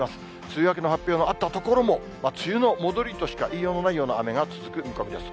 梅雨明けの発表があった所も、梅雨の戻りとしかいいようのないような雨が続く見込みです。